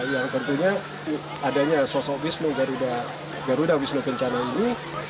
yang tentunya adanya sosok wisnu garuda wisnu kencana ini